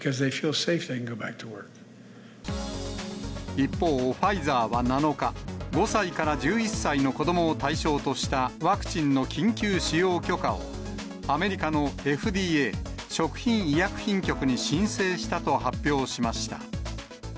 一方、ファイザーは７日、５歳から１１歳の子どもを対象としたワクチンの緊急使用許可を、アメリカのＦＤＡ・食品医薬品局に申請したと発表しました。